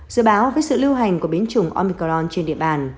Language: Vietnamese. dự báo với sự lưu hành của biến chủng omicron trên địa bàn